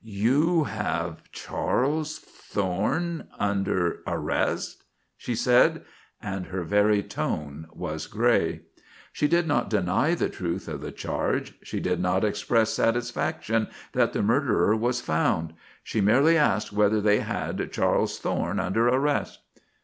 "You have Charles Thorne under arrest?" she said, and her very tone was grey. She did not deny the truth of the charge; she did not express satisfaction that the murderer was found; she merely asked whether they had Charles Thorne under arrest.